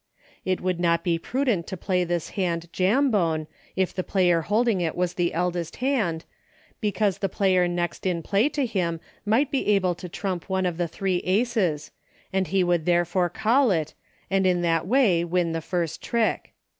It would not be prudent to play this hand Jambone, if the player holding it was the eldest hand, because the player next in play to him might be able to trump one of 72 EUCHRE. the three Aces, and he would therefore call it, and in that way win the first trick.